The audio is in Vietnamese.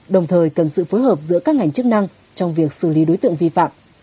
đồng thời cần sự phối hợp giữa các ngành chức năng trong việc xử lý đối tượng vi phạm